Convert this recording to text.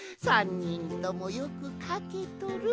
３にんともよくかけとる。